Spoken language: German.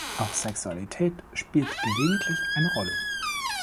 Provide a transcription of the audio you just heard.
Auch Sexualität spielt gelegentlich eine Rolle.